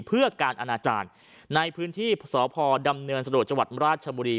เพื่อการอนาจารย์ในพื้นที่สพดำเนินสะดวกจังหวัดราชบุรี